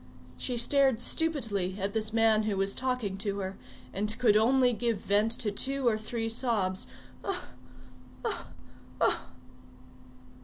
She stared stupidly at this man who was talking to her, and could only give vent to two or three sobs, "Oh! Oh! Oh!"